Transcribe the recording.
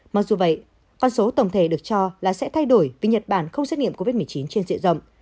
mặc dù vậy con số tổng thể được cho là sẽ thay đổi vì nhật bản không xét nghiệm covid một mươi chín trên diện rộng